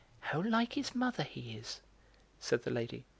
"How like his mother he is," said the lady.